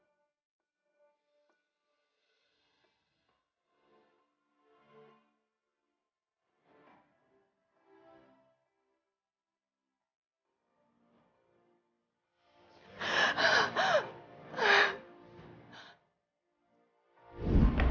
saya perlu adan